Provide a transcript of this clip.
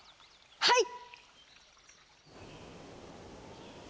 はい！